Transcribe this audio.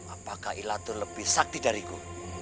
apakah ilatul lebih sakti dariku